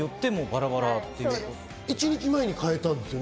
１日前に変えたんですよね。